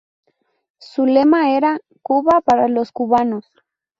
Su lema era "Cuba para los cubanos".